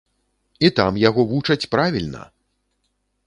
І там яго вучаць правільна!